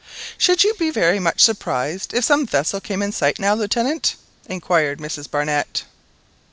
"Should you be very much surprised if some vessel came In sight now, Lieutenant?" inquired Mrs Barnett.